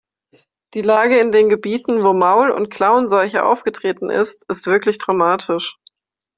Die Lage in den Gebieten, wo Maulund Klauenseuche aufgetreten ist, ist wirklich dramatisch.